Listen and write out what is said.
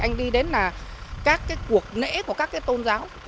anh đi đến là các cái cuộc nễ của các tôn giáo